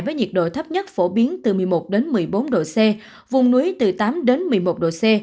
với nhiệt độ thấp nhất phổ biến từ một mươi một đến một mươi bốn độ c vùng núi từ tám đến một mươi một độ c